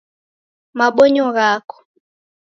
Mabonyo ghako